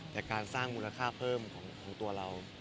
แต่การสร้างมูลค่าเพิ่มของตัวเรา